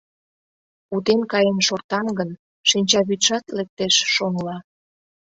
Утен каен шортам гын, шинчавӱдшат лектеш шоҥла.